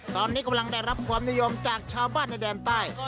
ตอนนี้กำลังได้รับความนิยมจากชาวบ้านในแดนใต้